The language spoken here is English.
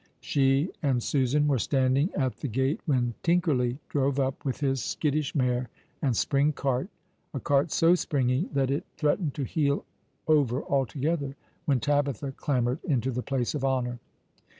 She and Susan were standing at the gate when Tinkerly drove up with his skittish mare and spring cart, a cart so springy that it threatened to heel over altogether when Tabitha clambered into the place of honour.